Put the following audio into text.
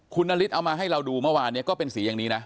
คุณนฤทธิเอามาให้เราดูเมื่อวานเนี่ยก็เป็นสีอย่างนี้นะ